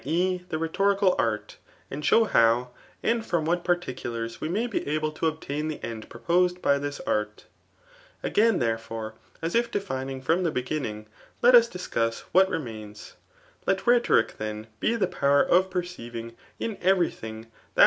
e. the rhetorical art] and [showj koW) and from what particulars we may be able to obtun the ead proposed by this art. Agaiut therefore, as if ^^hsfining from the beg^inning, let us discuss what remainsi Xct riwusic then be Ae pvaer tf perceiving in 00091$ Att.